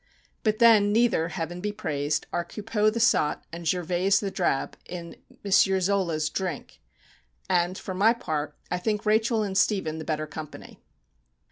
But then neither, heaven be praised, are Coupeau the sot, and Gervaise the drab, in M. Zola's "Drink" and, for my part, I think Rachel and Stephen the better company.